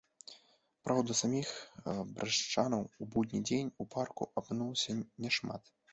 Праўда, саміх брэстаўчан у будні дзень у парку апынулася няшмат.